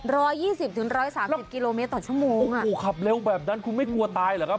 ยี่สิบถึงร้อยสามสิบกิโลเมตรต่อชั่วโมงโอ้โหขับเร็วแบบนั้นคุณไม่กลัวตายเหรอครับ